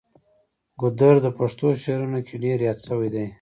ګودر د پښتو شعرونو کې ډیر یاد شوی دی.